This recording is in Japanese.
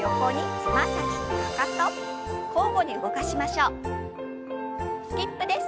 スキップです。